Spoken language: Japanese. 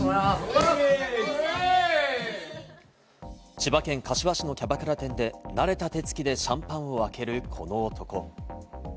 千葉県柏市のキャバクラ店で慣れた手つきでシャンパンを開けるこの男。